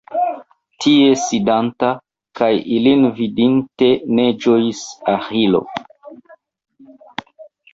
Tie sidanta, kaj ilin vidinte ne ĝojis Aĥilo.